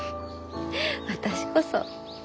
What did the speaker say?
私こそ。